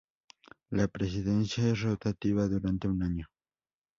La presidencia es rotativa durante un año.